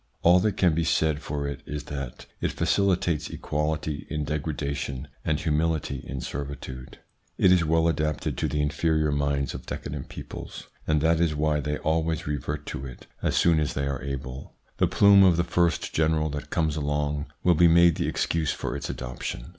All that can be said for it is that it facilitates equality in degradation and humility in servitude. It is well adapted to the inferior minds of decadent peoples, and that is why they always revert to it as soon as ITS INFLUENCE ON THEIR EVOLUTION 225 they are able. The plume of the first general that comes along will be made the excuse for its adoption.